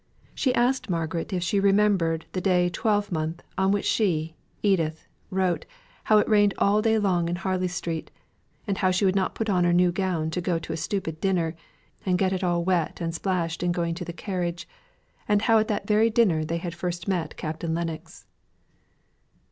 She asked Margaret if she remembered the day twelve month on which she, Edith, wrote how it rained all day long in Harley Street; and how she would not put on her new gown to go to a stupid dinner, and get it all wet and splashed in going to the carriage; and how at that very dinner they had first met Captain Lennox.